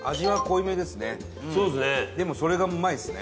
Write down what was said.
伊達：でもそれがうまいですね。